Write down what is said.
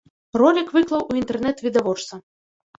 Ролік выклаў у інтэрнэт відавочца.